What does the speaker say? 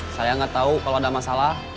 saya gak tau kalau ada masalah